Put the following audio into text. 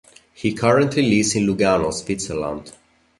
He currently lives in Lugano, Switzerland.